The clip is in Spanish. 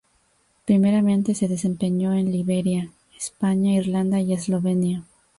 Primeramente se desempeñó en Liberia, España, Irlanda y Eslovenia.